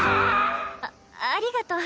あありがと。